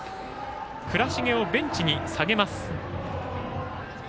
倉重をベンチに下げます。